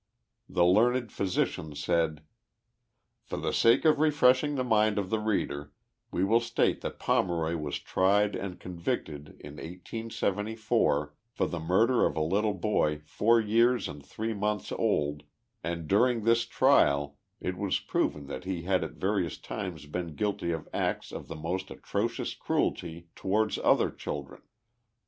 The learned physician said : u For the sake of refreshing the mind of the reader we will state that Pomeroy was tried and convicted in 1874 for the murder of a little bo}' four years and three months old, and during this trial it was proven that he had at various times been guilty of acts of the most atrocious cruelty towards other children.